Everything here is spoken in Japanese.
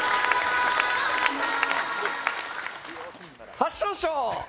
「ファッションショー」